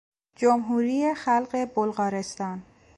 جمهوری خلق بلغارستان